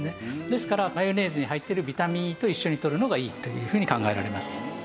ですからマヨネーズに入ってるビタミンＥと一緒にとるのがいいというふうに考えられます。